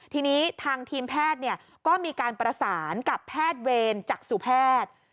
ทีนี้ทางทีมแพทย์ก็มีการประสานกับแพทย์เวรจักษุแพทย์